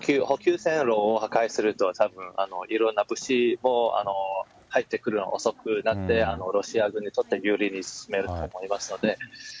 補給線路を破壊すると、たぶんいろんな物資も入ってくるの遅くなって、ロシア軍にとって有利に進めると思いますので。